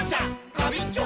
ガビンチョ！